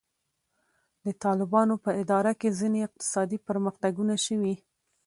د طالبانو په اداره کې ځینې اقتصادي پرمختګونه شوي.